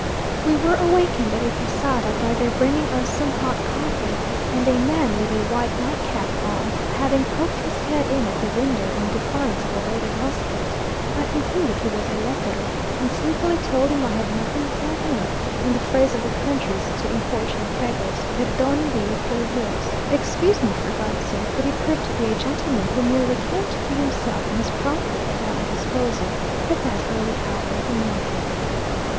We were awakened at a posada by their bringing us some hot coffee, and a man with a white nightcap on, having poked his head in at the window, in defiance of a loaded musket, I concluded he was a lépero, and sleepily told him I had nothing for him, in the phrase of the country to importunate beggars; "Perdone V. por Dios!" "Excuse me, for God's sake!" but he proved to be a gentleman, who merely came to put himself and his property at our disposal, at that early hour of the morning.